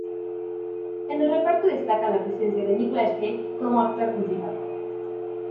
En el reparto destaca la presencia de Nicolas Cage como actor principal.